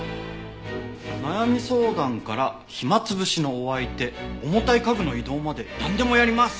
「悩み相談から暇つぶしのお相手重たい家具の移動まで何でもやります！」